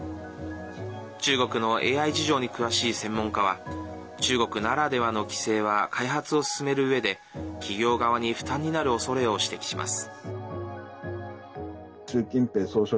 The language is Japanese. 中国のＡＩ事情に詳しい専門家は中国ならではの規制は開発を進めるうえで企業側に負担になるおそれを指摘します。